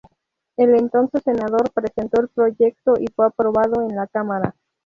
El entonces Senador presentó el Proyecto, y fue aprobado en la Cámara.